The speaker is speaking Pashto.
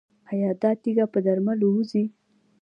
ایا دا تیږه په درملو وځي؟